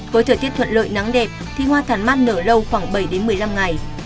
với thời tiết thuận lợi nắng đẹp thì hoa thán mát nở lâu khoảng bảy một mươi năm ngày